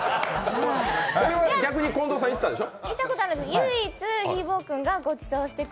ここは、逆に近藤さんは行ったんでしょ？